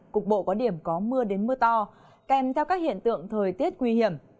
cục bộ có điểm có mưa đến mưa to kèm theo các hiện tượng thời tiết nguy hiểm